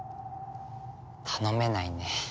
頼めないね。